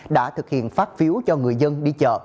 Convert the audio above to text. đã thực hiện phát phiếu cho người dân đi chợ